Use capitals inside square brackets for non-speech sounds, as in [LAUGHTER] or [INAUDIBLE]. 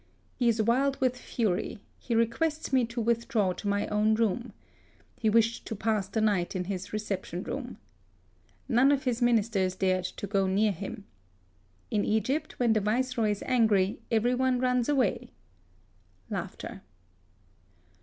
He is wild with fury; he requests me to withdraw to my own room. He wished to pass the night in his reception room. None of his ministers dared go near him. In Egjrpt when the Viceroy is angry every one runs away. [LAUGHS]